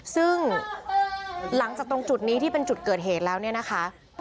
ซึ่งหลังจากตรงจุดนี้ที่เป็นจุดเกิดเหตุแล้วเนี่ยนะคะ